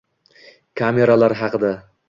Kameralar haqida